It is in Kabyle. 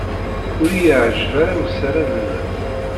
Ur iyi-yeɛjib ara usaran-nnem.